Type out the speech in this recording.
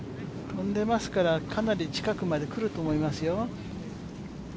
飛んでますから、かなり近くまでくると思いますよ。